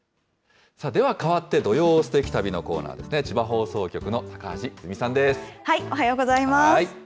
では変わって、土曜すてき旅のコーナーですね、千葉放送局の高橋おはようございます。